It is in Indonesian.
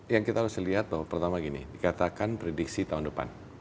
yang kita harus lihat bahwa pertama gini dikatakan prediksi tahun depan